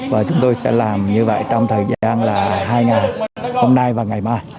và chúng tôi sẽ làm như vậy trong thời gian là hai ngày hôm nay và ngày mai